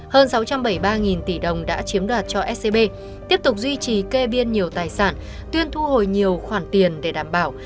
hơn sáu trăm bảy mươi ba tỷ đồng đã chiếm đoạt cho scb tiếp tục duy trì kê biên nhiều tài sản tuyên thu hồi nhiều khoản tiền để đảm bảo